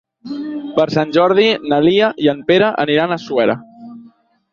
Per Sant Jordi na Lia i en Pere aniran a Suera.